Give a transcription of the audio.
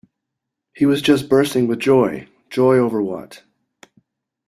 He was just bursting with joy, joy over what.